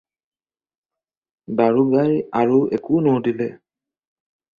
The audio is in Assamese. দাৰোগাই আৰু একো নুসুধিলে।